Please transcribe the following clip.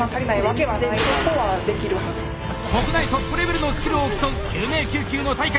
国内トップレベルのスキルを競う救命救急の大会。